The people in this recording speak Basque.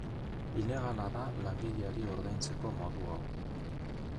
Ilegala da langileari ordaintzeko modu hau.